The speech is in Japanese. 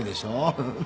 フフフ。